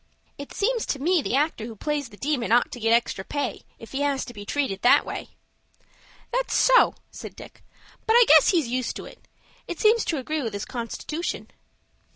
"It seems to me the actor who plays the Demon ought to get extra pay, if he has to be treated that way." "That's so," said Dick; "but I guess he's used to it. It seems to agree with his constitution."